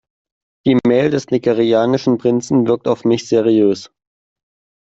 Die Mail des nigerianischen Prinzen wirkt auf mich seriös.